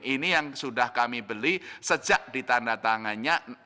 ini yang sudah kami beli sejak ditanda tangannya